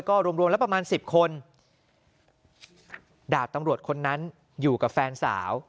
ก็รวมรวมแล้วประมาณสิบคนดาบตำรวจคนนั้นอยู่กับแฟนสาว